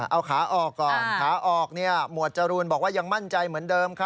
เอาขาออกก่อนขาออกหมวดจรูนบอกว่ายังมั่นใจเหมือนเดิมค่ะ